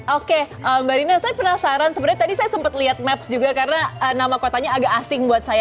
oke mbak rina saya penasaran sebenarnya tadi saya sempat lihat maps juga karena nama kotanya agak asing buat saya